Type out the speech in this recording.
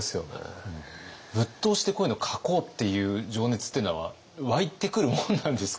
ぶっ通しでこういうのを描こうっていう情熱っていうのは湧いてくるもんなんですか？